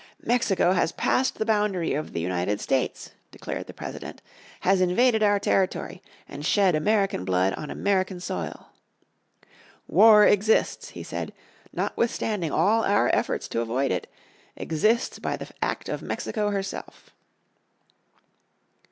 "Mexico has passed the boundary of the United States," declared the President, "has invaded our territory, and shed American blood on American soil." "War exists," he said, "notwithstanding all our efforts to avoid it, exists by the act of Mexico herself."